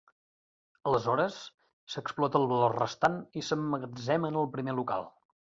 Aleshores, s'explota el valor restant i s'emmagatzema en el primer local.